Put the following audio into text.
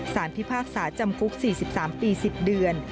พิพากษาจำคุก๔๓ปี๑๐เดือน